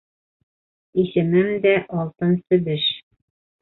Исемем дә Алтын себеш.